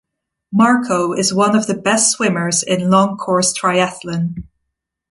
Marko is one of the best swimmers in long course triathlon.